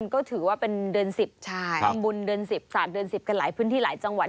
ก็ถือว่าเป็นเดือน๑๐ทำบุญเดือน๑๐ศาสตร์เดือน๑๐กันหลายพื้นที่หลายจังหวัด